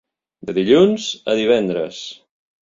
De dilluns a divendres.